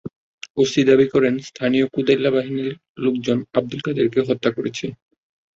OC দাবি করেন, স্থানীয় কোদাইল্যা বাহিনীর লোকজন আবদুল কাদেরকে হত্যা করেছে।